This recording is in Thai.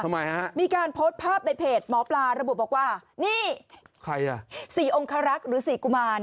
ทำไมฮะมีการโพสต์ภาพในเพจหมอปลาระบุบอกว่านี่ใครอ่ะสี่องคารักษ์หรือสี่กุมาร